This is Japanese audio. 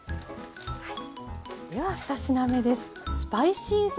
では２品目です。